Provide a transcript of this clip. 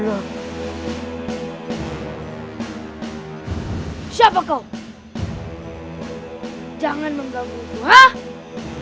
jangan mengganggu aku